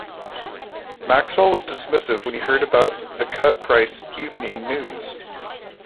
Maxwell was dismissive when he heard about the cut-price "Evening News".